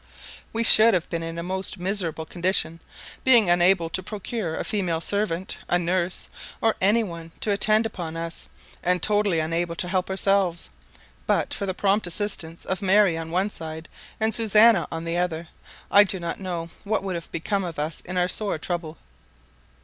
We should have been in a most miserable condition, being unable to procure a female servant, a nurse, or any one to attend upon us, and totally unable to help ourselves; but for the prompt assistance of Mary on one side, and Susannah on the other, I know not what would have become of us in our sore trouble.